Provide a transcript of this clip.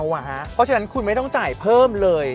เพราะฉะนั้นคุณไม่ต้องจ่ายเพิ่มเลย